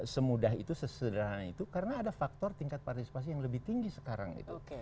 semudah itu sesederhana itu karena ada faktor tingkat partisipasi yang lebih tinggi sekarang itu